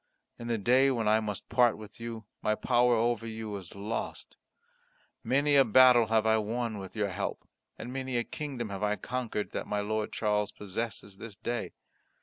In the day when I must part with you, my power over you is lost. Many a battle I have won with your help; and many a kingdom have I conquered, that my Lord Charles possesses this day.